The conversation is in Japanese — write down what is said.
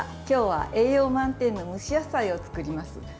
今日は栄養満点の蒸し野菜を作ります。